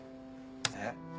えっ？